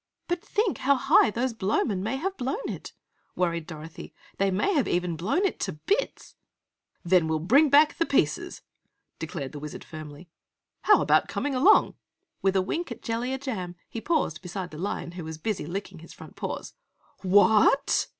"But think how high those Blowmen may have blown it?" worried Dorothy. "They may even have blown it to Bitz!" "Then we'll bring back the pieces," declared the Wizard, firmly. "How about coming along?" With a wink at Jellia Jam, he paused beside the Lion who was busy licking his front paws. "WHAT?"